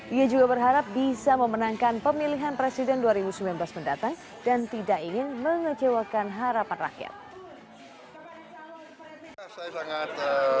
ia juga berharap bisa memenangkan pemilihan presiden dua ribu sembilan belas mendatang dan tidak ingin mengecewakan harapan rakyat